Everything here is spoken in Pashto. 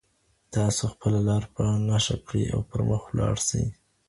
تاسو خپله لاره په نښه کړئ او پرمخ ولاړ سئ.